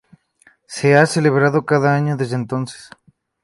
Se ha celebrado cada año desde entonces.